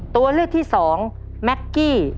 ตัวเลือกที่สองแม็กกี้